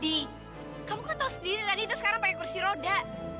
di kamu kan tahu sendiri rani tuh sekarang pake kursi roda